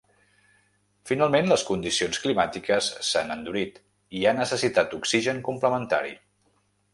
Finalment, les condicions climàtiques s’han endurit i ha necessitat oxigen complementari.